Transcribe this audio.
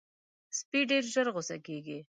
سپي ډېر ژر غصه کېږي.